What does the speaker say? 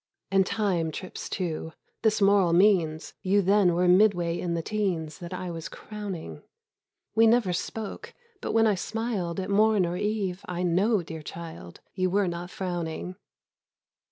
And Time trips too.—This moral means, You then were midway in the teens That I was crowning: We never spoke, but when I smil'd At morn or eve, I know, dear child, You were not frowning.